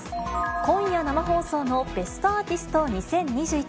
今夜生放送のベストアーティスト２０２１。